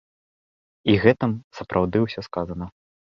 І гэтым сапраўды ўсё сказана.